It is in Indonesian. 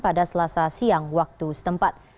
pada selasa siang waktu setempat